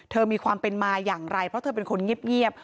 มีความเป็นมาอย่างไรเพราะเธอเป็นคนเงียบ